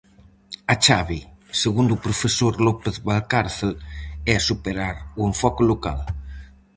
A chave, segundo o profesor López-Valcárcel, é superar o "enfoque local".